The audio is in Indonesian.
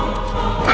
nak dapur yah